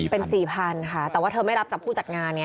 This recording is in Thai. เป็น๔๐๐๐ค่ะแต่ว่าเธอไม่รับจากผู้จัดงานไง